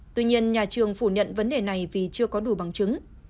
tuy nhiên nhà trường phủ nhận vấn đề này vì chưa có đủ bằng chứng